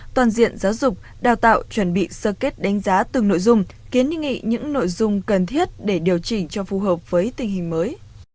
toàn diện giáo dục đào tạo chuẩn bị sơ kết đánh giá từng nội dung kiến nghị những nội dung cần thiết để điều chỉnh cho phù hợp với tình hình mới